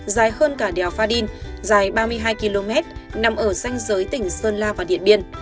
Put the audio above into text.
dài hơn cả đèo pha đin dài ba mươi hai km nằm ở danh giới tỉnh sơn la và điện biên